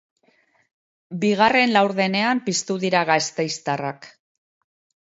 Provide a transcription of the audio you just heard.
Bigarren laurdenean piztu dira gasteiztarrak.